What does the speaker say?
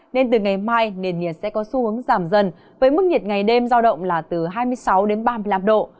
nên từ ngày mai nền nhiệt sẽ có xu hướng giảm dần với mức nhiệt ngày đêm giao động là từ hai mươi sáu đến ba mươi năm độ